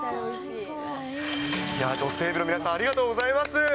いや、女性部の皆さん、ありがとうございます。